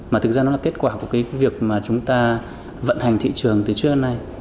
mà thực ra nó là kết quả của cái việc mà chúng ta vận hành thị trường từ trước đến nay